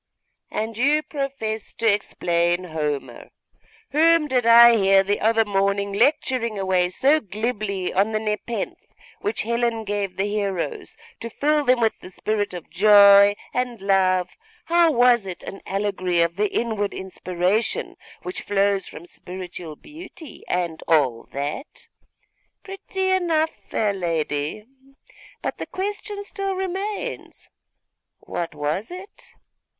'And you profess to explain Homer? Whom did I hear the other morning lecturing away so glibly on the nepenthe which Helen gave the heroes, to fill them with the spirit of joy and love; how it was an allegory of the inward inspiration which flows from spiritual beauty, and all that? pretty enough, fair lady; but the question still remains, what was it?